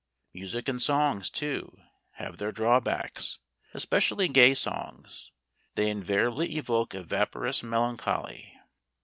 Music and songs, too, have their drawbacks, especially gay songs; they invariably evoke a vaporous melancholy.